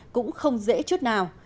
cũng không dễ chút nào